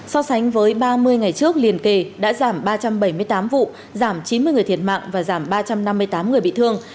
so sánh với ba mươi ngày trước liên kề đã giảm ba trăm bảy mươi tám vụ giảm chín mươi người thiệt mạng và giảm ba trăm năm mươi tám người bị thương